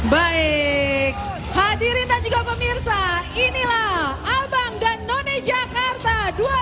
baik hadirin dan juga pemirsa inilah abang dan none jakarta dua ribu dua puluh